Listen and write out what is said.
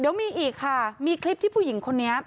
เดี๋ยวมีอีกค่ะมีคลิปที่ผู้หญิงคนนี้